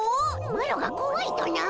マロがこわいとな？